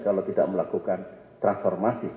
kalau tidak melakukan transformasi